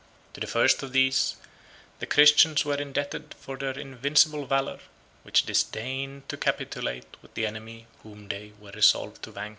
To the first of these the Christians were indebted for their invincible valor, which disdained to capitulate with the enemy whom they were resolved to vanquish.